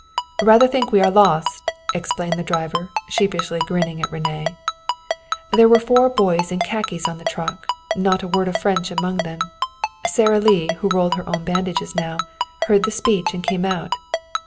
"Rather think we are lost," explained the driver, grinning sheepishly at René. There were four boys in khaki on the truck, and not a word of French among them. Sara Lee, who rolled her own bandages now, heard the speech and came out.